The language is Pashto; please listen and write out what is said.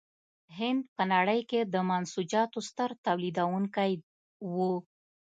هند په نړۍ کې د منسوجاتو ستر تولیدوونکی و.